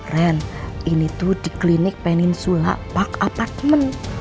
ren ini tuh di klinik peninsulapak apartemen